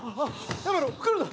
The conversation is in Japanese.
やめろ来るな！